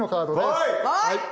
はい。